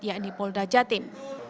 yakni polda jatim